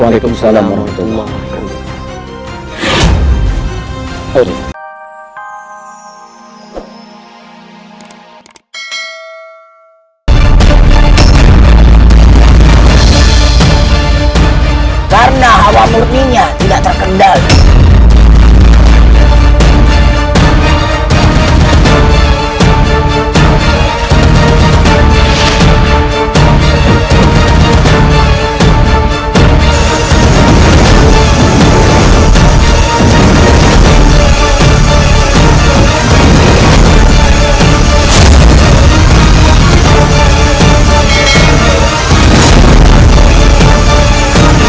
waalaikumsalam warahmatullah wa barakatuh hai hai karena awak murninya tidak terkendali